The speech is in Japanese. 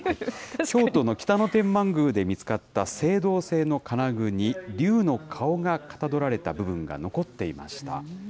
京都の北野天満宮で見つかった青銅製の金具に、竜の顔がかたどられた部分が残っていました。